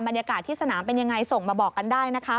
บรรยากาศที่สนามเป็นยังไงส่งมาบอกกันได้นะคะ